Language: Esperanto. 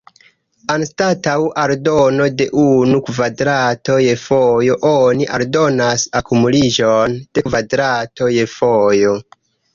Anstataŭ aldono de unu kvadrato je fojo, oni aldonas akumuliĝon de kvadratoj je fojo.